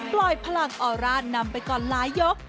ปล่อยพลังออร่านำไปก่อนหลายยก